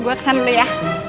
gue kesana dulu ya